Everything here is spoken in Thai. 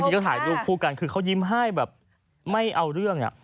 นี่ก็ถ่ายรูปคู่กันคือเขายิ้มให้แบบไม่เอาเรื่อง